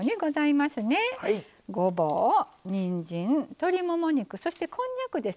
ごぼうにんじん鶏もも肉そしてこんにゃくです。